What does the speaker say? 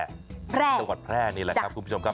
แล้วกว่าแพร่นี่แหละครับคุณผู้ชมครับ